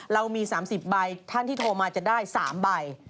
เรามี๓๐ใบท่านที่โทรมาจะได้๓ใบ